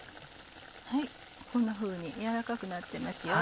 こんなふうに軟らかくなってますよ。